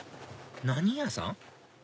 何屋さん？